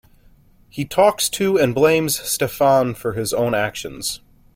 He talks to and blames Steffen for his own actions.